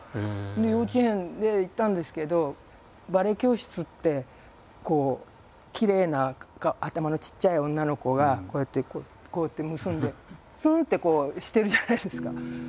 で幼稚園で行ったんですけどバレエ教室ってこうきれいな頭のちっちゃい女の子がこうやって結んでツンってこうしてるじゃないですか。